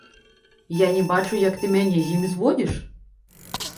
Я не бачу, як ты мяне з ім зводзіш?